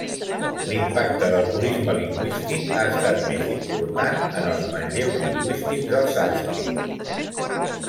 L'impacte del purisme lingüístic ha estat més important en els manlleus lingüístics del sànscrit.